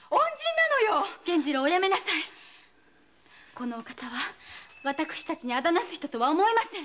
このお方は私たちに仇なす人とは思いません。